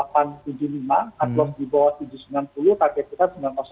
kad loss di bawah tujuh ratus sembilan puluh target kita sembilan ratus lima sembilan ratus empat puluh